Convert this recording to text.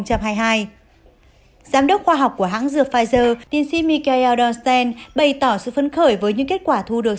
giám đốc khoa học của hãng dược pfizer tiên sĩ michael donstein bày tỏ sự phấn khởi với những kết quả thu được